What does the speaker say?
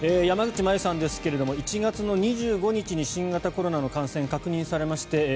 山口真由さんですけれども１月２５日に新型コロナの感染が確認されまして